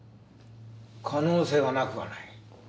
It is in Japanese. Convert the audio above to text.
可能性はなくはない。